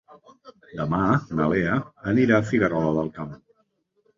Demà na Lea anirà a Figuerola del Camp.